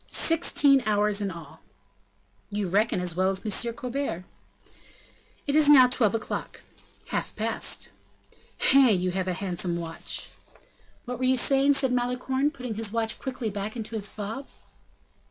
"Sixteen hours in all?" "You reckon as well as M. Colbert." "It is now twelve o'clock." "Half past." "Hein! you have a handsome watch!" "What were you saying?" said Malicorne, putting his watch quickly back into his fob.